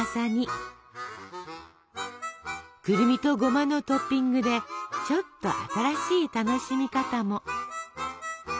くるみとゴマのトッピングでちょっと新しい楽しみ方も。